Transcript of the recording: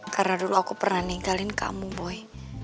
karena dulu aku pernah ninggalin kamu boy